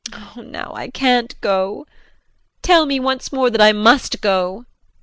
Oh, now I can't go. Tell me once more that I must go. JEAN.